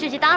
eh juga ya